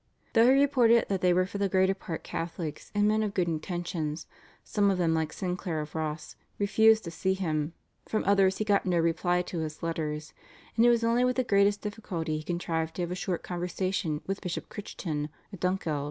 Though he reported that they were for the greater part Catholics and men of good intentions, some of them like Sinclair of Ross refused to see him, from others he got no reply to his letters, and it was only with the greatest difficulty he contrived to have a short conversation with Bishop Crichton at Dunkeld.